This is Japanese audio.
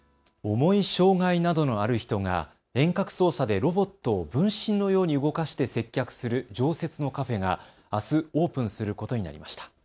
重い障害などのある人が遠隔操作でロボットを分身のように動かして接客する常設のカフェがあすオープンすることになりました。